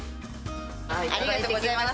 ありがとうございます。